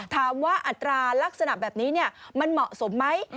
อัตราลักษณะแบบนี้มันเหมาะสมไหม